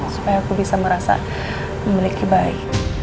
supaya aku bisa merasa memiliki bayi